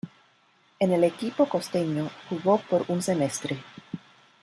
En el equipo costeño, jugó por un semestre.